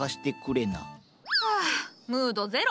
ハァムードゼロ！